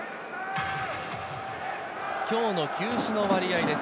今日の球種の割合です。